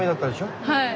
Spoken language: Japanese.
はい。